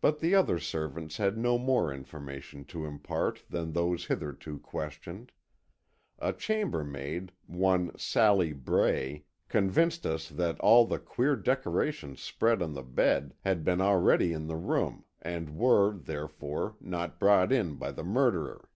But the other servants had no more information to impart than those hitherto questioned. A chambermaid, one Sally Bray, convinced us that all the queer decorations spread on the bed had been already in the room and were, therefore, not brought in by the murderer.